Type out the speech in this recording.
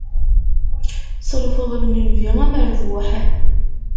S lfeḍl n Nnbi amerbuḥ.